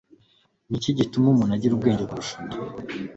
Ni iki gituma umuntu agira ubwenge kurusha undi?